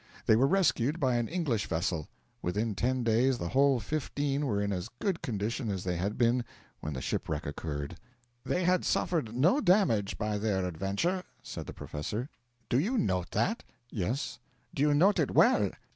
They were rescued by an English vessel. Within ten days the whole fifteen were in as good condition as they had been when the shipwreck occurred. 'They had suffered no damage by their adventure,' said the professor. 'Do you note that?' 'Yes.' 'Do you note it well?'